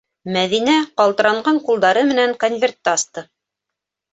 Мәҙинә ҡалтыранған ҡулдары менән конвертты асты.